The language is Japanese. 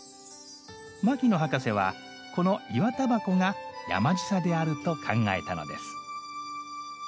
牧野博士はこのイワタバコが「山ぢさ」であると考えたのです。